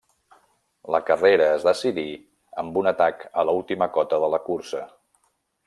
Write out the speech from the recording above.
La carrera es decidí amb un atac a l'última cota de la cursa.